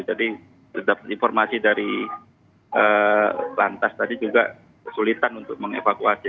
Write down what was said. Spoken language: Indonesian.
jadi sudah dapat informasi dari lantas tadi juga kesulitan untuk mengevakuasi